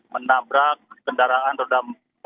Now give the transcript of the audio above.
menabrak kendaraan roda empat